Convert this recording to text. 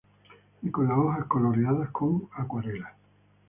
Y con las hojas coloreadas con acuarela.